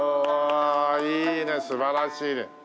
いいね素晴らしいね。